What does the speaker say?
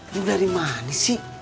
lu dari mana sih